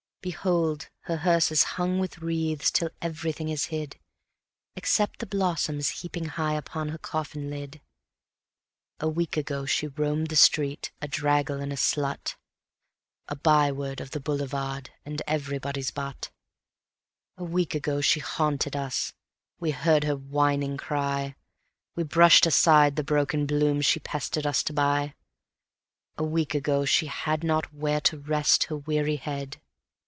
Behold! her hearse is hung with wreaths till everything is hid Except the blossoms heaping high upon her coffin lid. A week ago she roamed the street, a draggle and a slut, A by word of the Boulevard and everybody's butt; A week ago she haunted us, we heard her whining cry, We brushed aside the broken blooms she pestered us to buy; A week ago she had not where to rest her weary head